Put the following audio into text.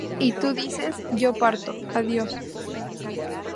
Y tú dices: "Yo parto, adiós".